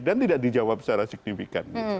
dan tidak dijawab secara signifikan